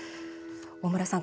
大村さん